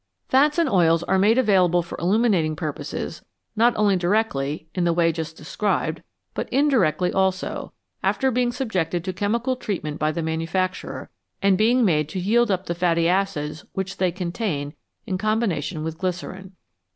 Fats and oils are made available for illuminating purposes not only directly, in the way just described, but indirectly also, after being subjected to chemical treatment by the manufacturer, and being made to yield up the fatty acids which they contain in com bination with glycerine.